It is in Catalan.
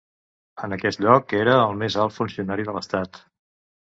En aquest lloc, era el més alt funcionari de l'Estat.